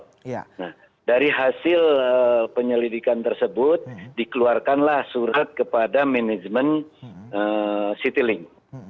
nah dari hasil penyelidikan tersebut dikeluarkanlah surat kepada manajemen citylink